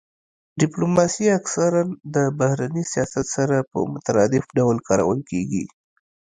ډیپلوماسي اکثرا د بهرني سیاست سره په مترادف ډول کارول کیږي